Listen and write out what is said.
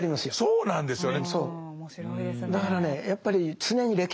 そうなんですよね。